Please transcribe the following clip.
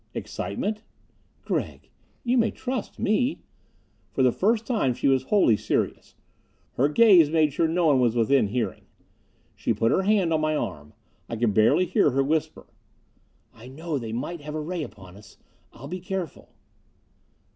"Excitement?" "Gregg, you may trust me." For the first time she was wholly serious. Her gaze made sure no one was within hearing. She put her hand on my arm. I could barely hear her whisper: "I know they might have a ray upon us I'll be careful."